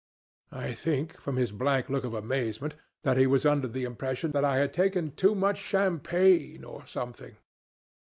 I think, from his blank look of amazement, that he was under the impression that I had taken too much champagne, or something."